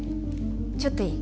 ちょっといい？